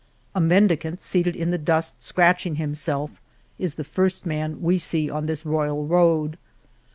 A mendicant, seated in the dust scratching himself, is the first man we see on this royal road.